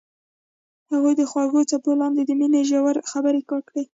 هغوی د خوږ څپو لاندې د مینې ژورې خبرې وکړې.